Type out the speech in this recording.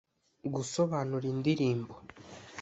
Gusobanura indirimbo